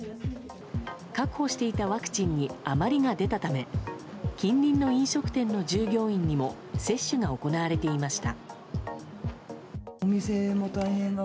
確保していたワクチンに余りが出たため近隣の飲食店の従業員にも接種が行われていました。